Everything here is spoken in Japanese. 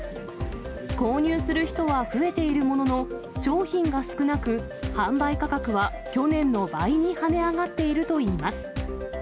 購入する人は増えているものの、商品が少なく、販売価格は去年の倍に跳ね上がっているといいます。